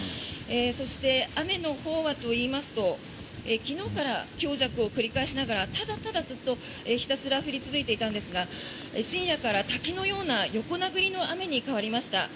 そして、雨のほうはといいますと昨日から強弱を繰り返しながらただただずっとひたすら降り続いていたんですが深夜から滝のような横殴りの雨に変わりました。